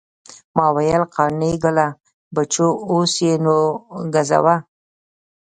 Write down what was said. ما ویل قانع ګله بچو اوس یې نو ګزوه.